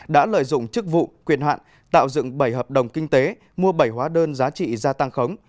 đã lợi dụng chức vụ quyền hạn tạo dựng bảy hợp đồng kinh tế mua bảy hóa đơn giá trị gia tăng khống